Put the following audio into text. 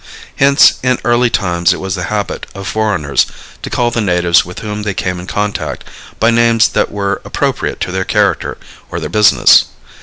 Hence, in early times it was the habit of foreigners to call the natives with whom they came in contact by names that were appropriate to their character or their business.